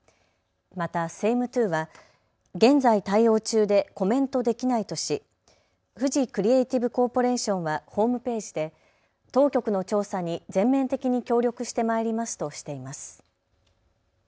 またセイムトゥーは現在、対応中でコメントできないとしフジクリエイティブコーポレーションはホームページで当局の調査に全面的に協力してまいりますとしています。